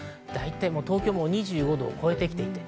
東京は２５度を超えてきています。